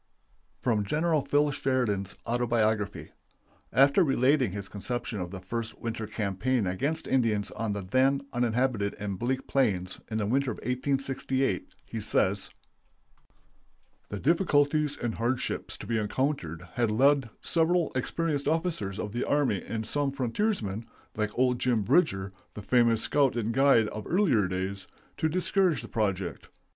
[Illustration: GUIDING IN A BLIZZARD.] From Gen. Phil Sheridan's "Autobiography." After relating his conception of the first winter campaign against Indians on the then uninhabited and bleak plains, in the winter of 1868, he says: "The difficulties and hardships to be encountered had led several experienced officers of the army and some frontiersmen, like old Jim Bridger, the famous scout and guide of earlier days, to discourage the project.